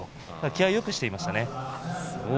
気をよくしていました。